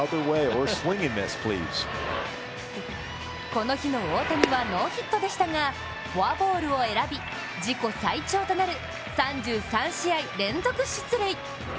この日の大谷はノーヒットでしたがフォアボールを選び自己最長となる３３試合連続出塁。